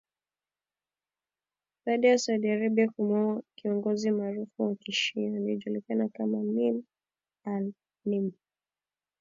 Baada ya Saudi Arabia kumuua kiongozi maarufu wa kishia, aliyejulikana kama Nimr al-Nimr